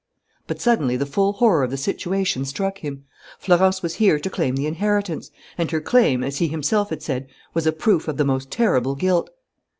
But suddenly the full horror of the situation struck him. Florence was here to claim the inheritance; and her claim, as he himself had said, was a proof of the most terrible guilt.